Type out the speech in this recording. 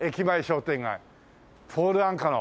ポール・アンカの。